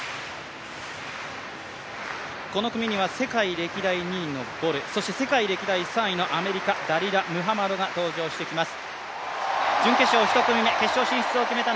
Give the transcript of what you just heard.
この組には世界歴代２位のボルそして世界歴代３位のアメリカ、ダリラ・ムハマドが登場してきます。